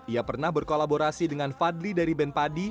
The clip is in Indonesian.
ia pernah berkolaborasi dengan fadli dari ben padi